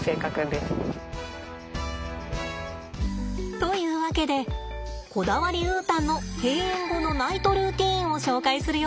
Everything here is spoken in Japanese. というわけでこだわりウータンの閉園後のナイトルーティンを紹介するよ。